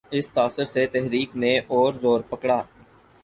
اس تاثر سے تحریک نے اور زور پکڑا۔